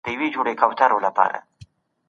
د حکومت مطالبه د شرعي اصولو له مخې ده.